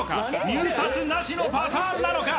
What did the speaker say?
入札なしのパターンなのか？